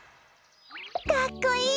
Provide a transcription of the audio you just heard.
かっこいい！